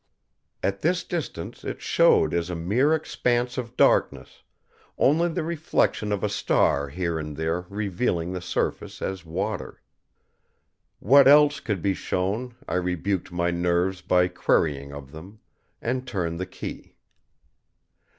At this distance it showed as a mere expanse of darkness, only the reflection of a star here and there revealing the surface as water. What else could be shown, I rebuked my nerves by querying of them; and turned the key.